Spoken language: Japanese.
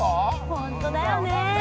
本当だよね。